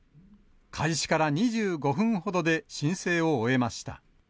開始から２５分ほどで申請を終えました。